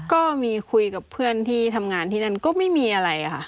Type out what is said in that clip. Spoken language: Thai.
ก็มีคุยกับเพื่อนที่ทำงานที่นั่นก็ไม่มีอะไรค่ะ